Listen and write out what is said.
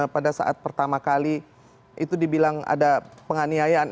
pada saat pertama kali itu dibilang ada penganiayaan